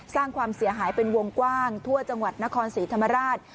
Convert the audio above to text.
สร้างความเสียหายเป็นวงกว้างทั่วจังหวัดนครศรีธรรมราช